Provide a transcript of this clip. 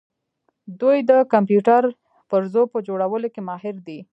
دوی د کمپیوټر پرزو په جوړولو کې ماهر دي.